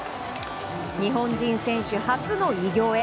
日本人選手初の偉業へ。